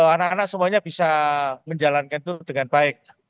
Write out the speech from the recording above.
anak anak semuanya bisa menjalankan itu dengan baik